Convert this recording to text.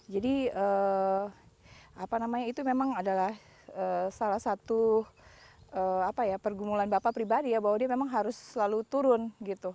jadi itu memang adalah salah satu pergumulan bapak pribadi ya bahwa dia memang harus selalu turun gitu